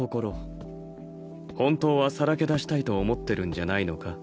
本当はさらけ出したいと思ってるんじゃないのか？